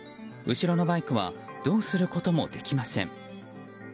後ろのバイクはどうすることもできません。